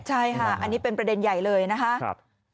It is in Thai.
ใช่ค่ะอันนี้เป็นประเด็นใหญ่เลยนะคะ